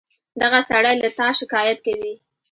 دغه سړى له تا شکايت کوي.